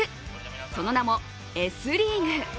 その名もＥＳリーグ。